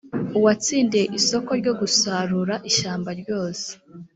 uwatsindiye isoko ryo gusarura ishyamba ryose